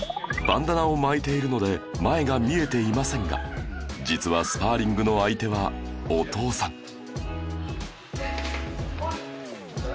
バンダナを巻いているので前が見えていませんが実はスパーリングの相手はお父さん